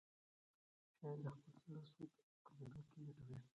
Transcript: شاعر د خپل زړه سود په لیدو کې لټوي.